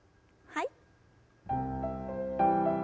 はい。